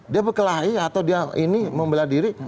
dia bekelahi atau dia ini membela diri